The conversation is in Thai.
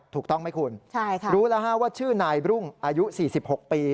ถูกต้องไหมคุณรู้แล้วว่าชื่อนายรุ่งอายุ๔๖ปี